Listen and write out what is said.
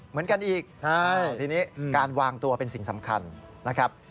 เหมือนกันอีกทีนี้การวางตัวเป็นสิ่งสำคัญนะครับ